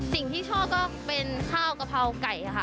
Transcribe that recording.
สิ่งที่ชอบก็เป็นข้าวกะเพราไก่ค่ะ